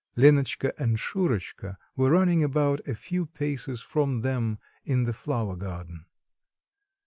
Lenotchka and Shurotchka were running about a few paces from them in the flower garden.